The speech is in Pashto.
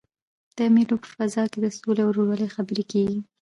د مېلو په فضا کښي د سولي او ورورولۍ خبري کېږي.